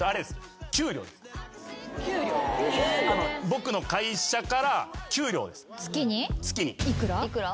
僕の会社から給料です。